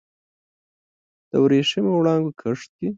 د وریښمېو وړانګو کښت کې